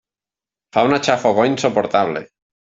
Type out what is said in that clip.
Fa una xafogor insuportable.